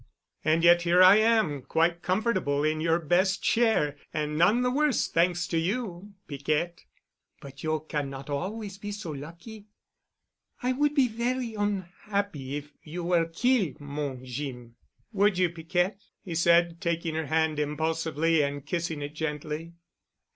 "And yet here I am quite comfortable in your best chair, and none the worse—thanks to you, Piquette." "But you cannot always be so lucky. I would be ver' onhappy if you were kill', mon Jeem." "Would you, Piquette?" he said, taking her hand impulsively and kissing it gently.